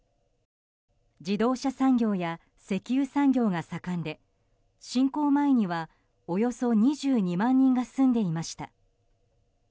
自動車産業や石油産業が盛んで侵攻前には、およそ２２万人が住んでいました。